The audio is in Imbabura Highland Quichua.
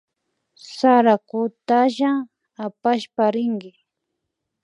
Sarakutalla apashpa rinki